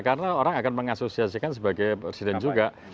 karena orang akan mengasosiasikan sebagai presiden juga